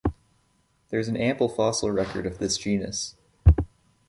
There is an ample fossil record of this genus.